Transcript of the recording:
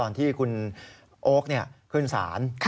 ตอนที่คุณโอ๊คขึ้นศาล